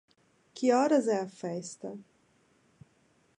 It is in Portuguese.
Que horas é a festa?